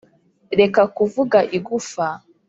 reka kuvuga igufa